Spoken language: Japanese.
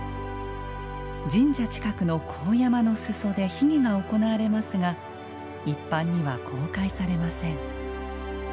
神社近くの神山のすそで秘儀が行われますが一般には公開されません。